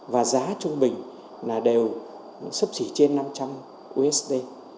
và giá trung bình là đều sấp xỉ trên năm trăm linh usd